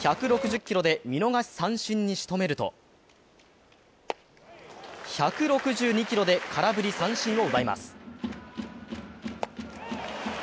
１６０キロで見逃し三振に仕留めると、１６２キロで空振り三振を奪います。